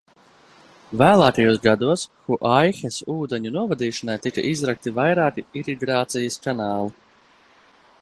Vēlākajos gados Huaihes ūdeņu novadīšanai tika izrakti vairāki irigācijas kanāli.